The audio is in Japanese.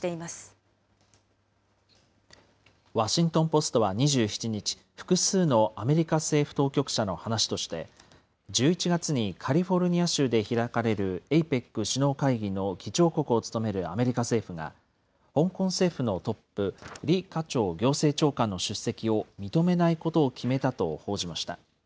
ワシントン・ポストは２７日、複数のアメリカ政府当局者の話として、１１月にカリフォルニア州で開かれるＡＰＥＣ首脳会議の議長国を務めるアメリカ政府が、香港政府のトップ、李家超行政長官の出席を認めないことを決めたと報じました。